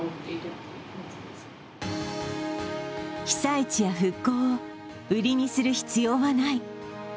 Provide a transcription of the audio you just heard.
被災地や復興を売りにする必要はない。